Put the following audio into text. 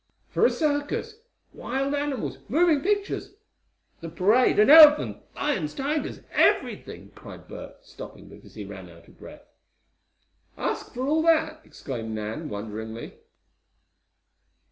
"For a circus wild animals moving pictures the parade an elephant lions, tigers everything!" cried Bert, stopping because he ran out of breath. "Ask for all that?" exclaimed Nan, wonderingly.